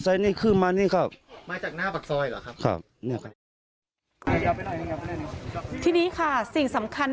เสียงมอเตอร์ไซน์นี้มาจากทางไหนครับ